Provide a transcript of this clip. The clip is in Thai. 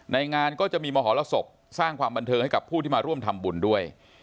ในงานก็จะมีมหรสบสร้างความบันเทิงให้กับผู้ที่มาร่วมทำบุญด้วย